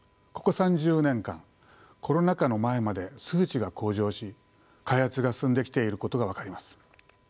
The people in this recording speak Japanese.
ここ３０年間コロナ禍の前まで数値が向上し開発が進んできていることが分かります。